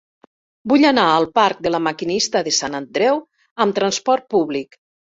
Vull anar al parc de La Maquinista de Sant Andreu amb trasport públic.